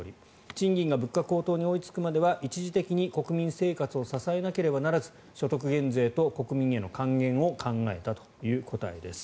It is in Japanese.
賃金が物価高騰に追いつくまでは一時的に国民生活を支えなければならず所得減税と国民への還元を考えたという答えです。